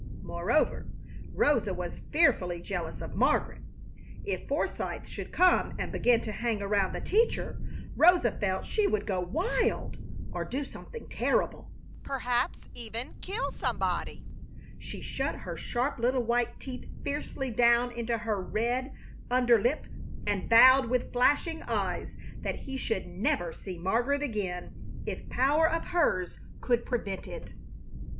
Moreover, Rosa was fearfully jealous of Margaret. If Forsythe should come and begin to hang around the teacher Rosa felt she would go wild, or do something terrible, perhaps even kill somebody. She shut her sharp little white teeth fiercely down into her red under lip and vowed with flashing eyes that he should never see Margaret again if power of hers could prevent it.